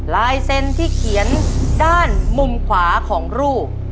ลายเซ็นที่เขียนด้านมุมขวาของรูป